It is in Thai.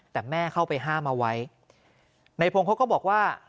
แต่แม่เข้าไปห้ามเอาไว้ในพงศ์เขาก็บอกว่า